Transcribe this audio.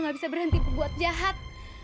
gak bisa berhenti buat jahat